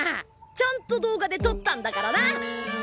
ちゃんと動画でとったんだからな！